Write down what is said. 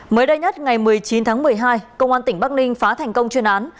mới đây nhất ngày một mươi chín tháng một mươi hai công an tỉnh bắc ninh phá thành công chuyên án